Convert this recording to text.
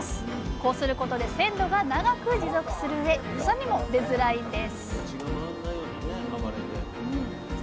こうすることで鮮度が長く持続するうえ臭みも出づらいんです血が回んないようにね暴れて。